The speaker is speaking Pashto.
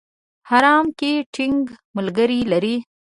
حرم کې ټینګ ملګري لري.